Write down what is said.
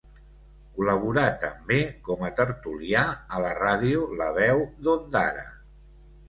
Col·laborà també com a tertulià a la ràdio la Veu d'Ondara.